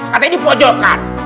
katanya di pojokan